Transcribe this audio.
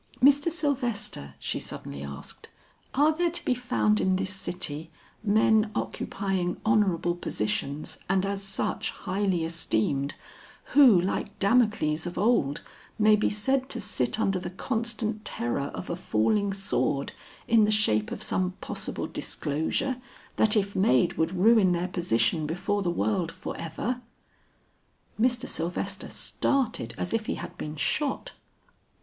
Mr. Sylvester," she suddenly asked, "are there to be found in this city, men occupying honorable positions and as such highly esteemed, who like Damocles of old, may be said to sit under the constant terror of a falling sword in the shape of some possible disclosure, that if made, would ruin their position before the world forever?" Mr. Sylvester started as if he had been shot.